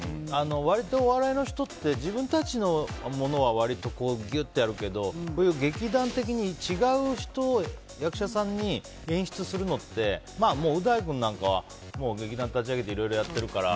割とお笑いの人って自分たちのものは割と、ギュッとやるけどこういう劇団的に違う人を役者さんに演出するのって、う大君なんかはもう劇団を立ち上げていろいろやってるから。